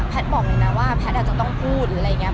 แพทย์บอกมันนะว่าแพทย์อาจจะต้องพูดหรืออะไรอย่างเงี้ย